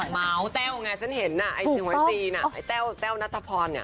มาเท่าไงฉันเห็นไอ้เต้วนัตรภัณฑ์